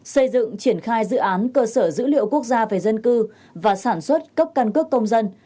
xây dựng triển khai dự án cơ sở dữ liệu quốc gia về dân cư và sản xuất cấp căn cước công dân